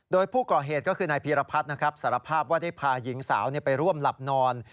โดยผู้ก่อเหตุก็คือนายพีรพัฒน์นะครับสารภาพว่าได้พาหญิงสาวไปร่วมหลับนอน